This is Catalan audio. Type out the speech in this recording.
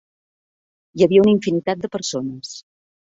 Hi havia una infinitat de persones.